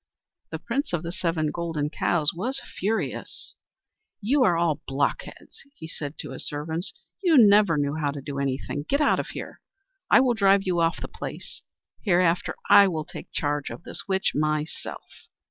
The Prince of the Seven Golden Cows was furious. "You are all blockheads!" he cried to his servants. "You never knew how to do anything. Get out of here! I will drive you off the place. Hereafter I will take charge of this witch myself."